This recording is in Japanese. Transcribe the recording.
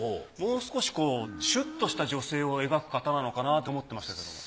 もう少しシュっとした女性を描く方なのかなと思ってましたけど。